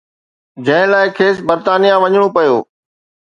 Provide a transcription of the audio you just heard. جنهن لاءِ کيس برطانيه وڃڻو پيو